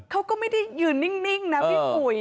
เขาก็ไม่ได้ยืนนิ่งนะพี่อุ๋ย